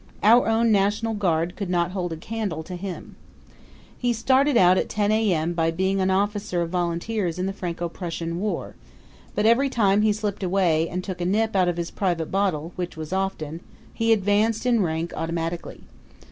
Our own national guard could not hold a candle to him. He started out at ten A.M. by being an officer of volunteers in the Franco Prussian War; but every time he slipped away and took a nip out of his private bottle, which was often, he advanced in rank automatically.